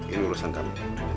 ini urusan kami